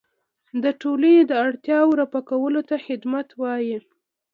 د ټولنې د اړتیاوو رفع کولو ته خدمت وایي.